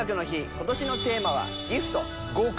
今年のテーマは「ＧＩＦＴギフト」